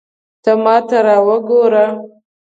ته ماته را وګوره